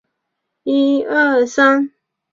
什刹海清真寺是清朝乾隆年间由马良创建。